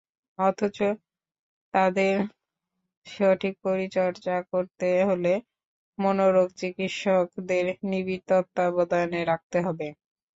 অথচ তাদের সঠিক পরিচর্যা করতে হলে মনোরোগ চিকিৎসকদের নিবিড় তত্ত্বাবধানে রাখতে হবে।